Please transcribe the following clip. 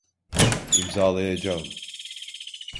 İmzalayacağım.